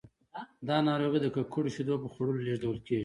دا ناروغي د ککړو شیدو په خوړلو لیږدول کېږي.